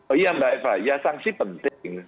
oh iya mbak eva ya sanksi penting